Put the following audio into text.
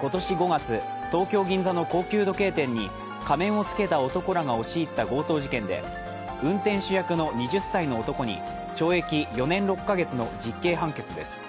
今年５月、東京・銀座の高級時計店に仮面を着けた男らが押し入った強盗事件で運転手役の２０歳の男に懲役４年６か月の実刑判決です。